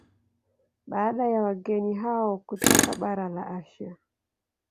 Baada ya wageni hao kutoka bara la Asia